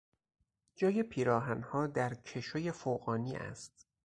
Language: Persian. جای پیراهنها در کشوی فوقانی است.